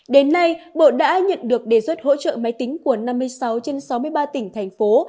đến nay bộ đã nhận được đề xuất hỗ trợ máy tính của năm mươi sáu trên sáu mươi ba tỉnh thành phố